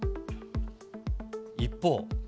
一方。